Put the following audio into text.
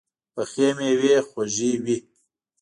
پخو مېوې خواږه وي